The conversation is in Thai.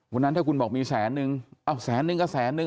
วันนั้นถ้าคุณบอกมีแสนนึงเอ้าแสนนึงก็แสนนึง